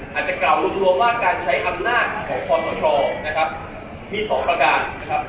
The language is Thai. อาจจะกล่าวว่าการใช้อำนาจของพรศชมี๒ประการ